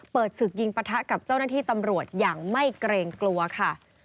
ศึกยิงปะทะกับเจ้าหน้าที่ตำรวจอย่างไม่เกรงกลัวค่ะ